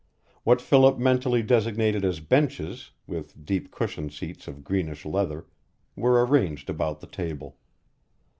What Philip mentally designated as benches, with deep cushion seats of greenish leather, were arranged about the table.